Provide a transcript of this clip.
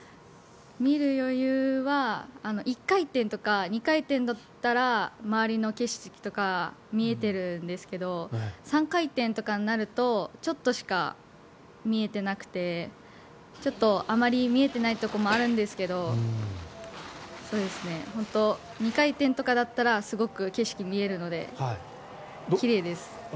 見る余裕は１回転とか２回転だったら周りの景色とか見えてるんですけど３回転とかになるとちょっとしか見えてなくてちょっとあまり見えてないところもあるんですが２回転とかだったらすごく景色見えるので奇麗です。